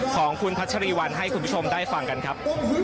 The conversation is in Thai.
ของคุณพัชรีวัลให้คุณผู้ชมได้ฟังกันครับ